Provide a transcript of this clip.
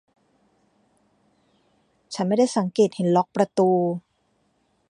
ฉันไม่ได้สังเกตเห็นล็อคประตู